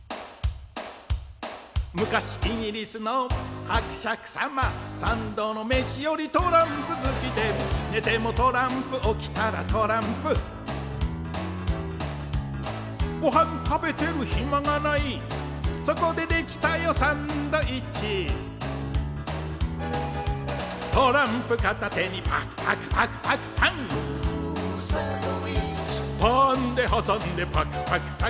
「むかしイギリスのはくしゃくさま」「三度のメシよりトランプ好きで」「寝てもトランプ起きたらトランプ」「ごはんたべてるひまがない」「そこでできたよサンドイッチ」「トランプ片手にパクパクパクパクパン」ウーサンドイッチ「パンではさんでパクパクパクパクパン」